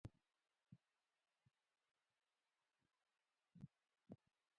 مالګه د وجود لپاره لازم عنصر دی.